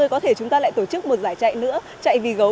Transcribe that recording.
có thể chúng ta lại tổ chức một giải chạy nữa chạy vì gấu